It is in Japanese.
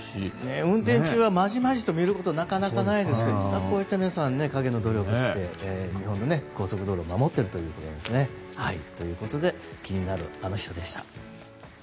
運転中はまじまじ見ることはないですがこうやって皆さん陰の努力をして日本の高速道路を守っているということなんですね。ということで気になるアノ人でした。